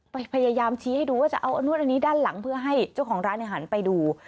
พยายามชี้ให้ดูว่าจะเอาอันนวดอันนี้ด้านหลังเพื่อให้เจ้าของร้านหันไปดู